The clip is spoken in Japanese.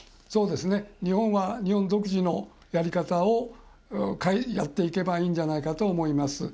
日本は日本独自のやり方をやっていけばいいんじゃないかと思います。